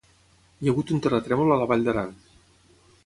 Hi ha hagut un terratrèmol a la Vall d'Aran.